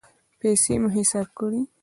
پیسې مو حساب کړئ